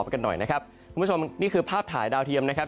คุณผู้ชมนี่คือภาพถ่ายดาวเทียมนะครับ